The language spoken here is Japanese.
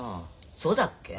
そうだっけ？